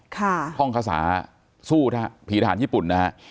ท่องคาสาสู้ผีทหารญี่ปุ่นนะฮะ